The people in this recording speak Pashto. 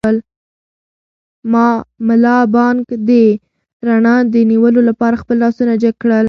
ملا بانګ د رڼا د نیولو لپاره خپل لاسونه جګ کړل.